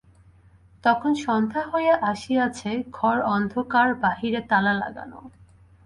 তখন সন্ধ্যা হইয়া আসিয়াছে, ঘর অন্ধকার, বাহিরে তালা লাগানো।